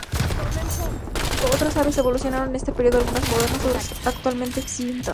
Otras aves evolucionaron en este período, algunas modernas, otras actualmente extintas.